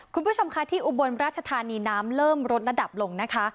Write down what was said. คุณผู้ชมค่ะที่อุบลราชธานีน้ำเริ่มลดระดับลงนะคะ